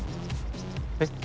えっ？